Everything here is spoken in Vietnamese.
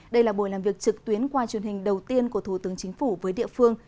đây là buổi làm việc trực tuyến qua truyền hình đầu tiên của thủ tướng chính phủ với địa phương